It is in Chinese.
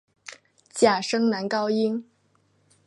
假声男高音。